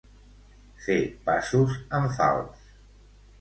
Fer passos en fals.